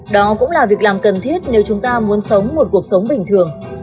đó cũng là việc làm cần thiết nếu chúng ta muốn sống một cuộc sống bình thường